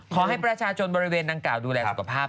ขอให้ประชาชนบริเวณดังกล่าวดูแลสุขภาพ